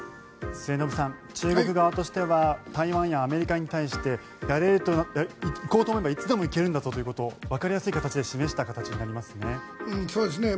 末延さん、中国側としては台湾やアメリカに対して行こうと思えば、いつでも行けるんだぞということをわかりやすい形で示した形になりますね。